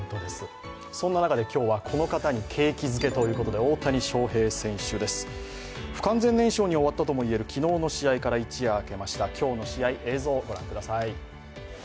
そんな中で今日は、この方に景気づけということで、大谷翔平選手です、不完全燃焼に終わったとも言える昨日の試合から一夜明けました、今日の試合映像を御覧ください。